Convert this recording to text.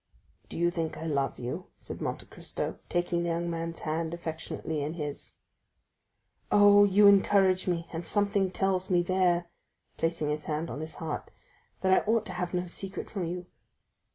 "Do you think I love you?" said Monte Cristo, taking the young man's hand affectionately in his. "Oh, you encourage me, and something tells me there," placing his hand on his heart, "that I ought to have no secret from you."